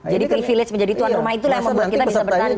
jadi privilege menjadi tuan rumah itu memang membuat kita bisa bertanding